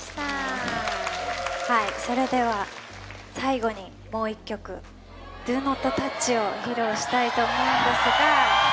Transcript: それでは最後にもう一曲「Ｄｏｎｏｔｔｏｕｃｈ」を披露したいと思うんですが